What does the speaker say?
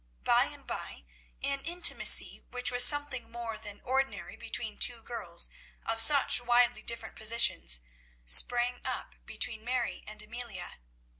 By and by an intimacy, which was something more than ordinary between two girls of such widely different positions, sprang up between Mary and Amelia.